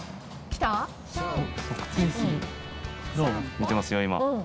見てますよ今。